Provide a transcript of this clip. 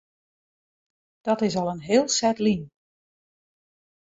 Dat is al in heel set lyn.